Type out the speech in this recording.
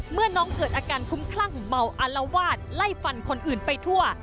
เมื่อน้องเกิดอาการคุ้มคลั่งเมาอารวาสไล่ฟันคนอื่นไปทั่ว